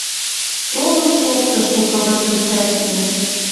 Толын шоктыш шукы вычым цӓшнӓ